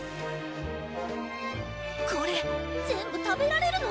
これ全部食べられるの？